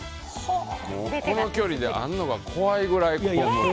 この距離であるのが怖いぐらい。